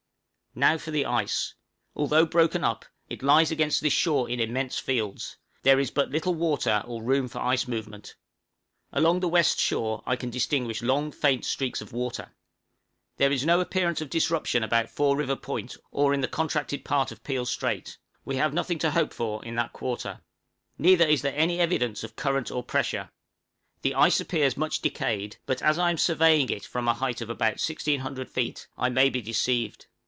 Now for the ice. Although broken up, it lies against this shore in immense fields: there is but little water or room for ice movement. Along the west shore I can distinguish long faint streaks of water. There is no appearance of disruption about Four River Point or in the contracted part of Peel Strait we have nothing to hope for in that quarter; neither is there any evidence of current or pressure; the ice appears much decayed, but, as I am surveying it from a height of about 1600 feet, I may be deceived. {CHEERLESS STATE OF WESTERN SEA.